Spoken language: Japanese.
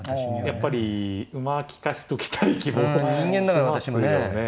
やっぱり馬利かしときたい気もしますよね。